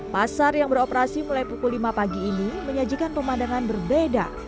pasar yang beroperasi mulai pukul lima pagi ini menyajikan pemandangan berbeda